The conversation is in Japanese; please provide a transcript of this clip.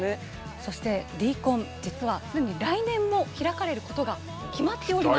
そしてＤコン実は既に来年も開かれることが決まっております。